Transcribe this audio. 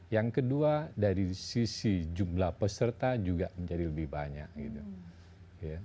yang kedua dari sisi jumlah peserta juga menjadi lebih banyak gitu